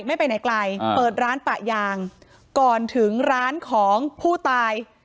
ไม่ไปไหนไกลเปิดร้านปะยางก่อนถึงร้านของผู้ตาย